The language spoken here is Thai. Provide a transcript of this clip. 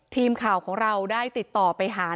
ทีมข่าวของเราได้ติดต่อไปหา